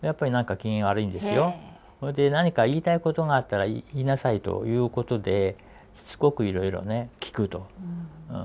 それで何か言いたいことがあったら言いなさいということでしつこくいろいろね聞くと。